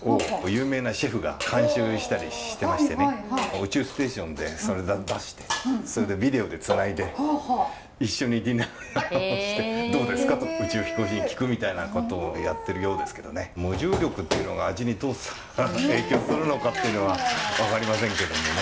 宇宙ステーションでそれ出してそれでビデオでつないで一緒にディナーをして「どうですか？」と宇宙飛行士に聞くみたいなことをやってるようですけどね。無重力っていうのが味にどう影響するのかっていうのは分かりませんけどもね。